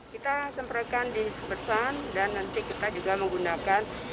kita semprotkan dispersan dan nanti kita juga menggunakan